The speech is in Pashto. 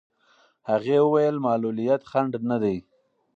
هغې وویل معلولیت خنډ نه دی.